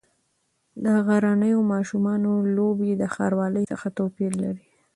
د غرنیو ماشومانو لوبې د ښاروالۍ څخه توپیر لري.